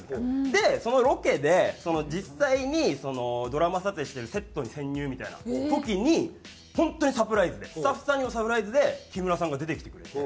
でそのロケで実際にドラマ撮影してるセットに潜入みたいな時に本当にサプライズでスタッフさんにもサプライズで木村さんが出てきてくれて。